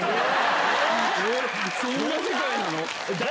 そんな世界なの？